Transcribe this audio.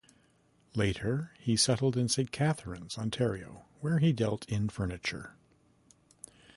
Later, he settled in Saint Catharines, Ontario, where he dealt in furniture.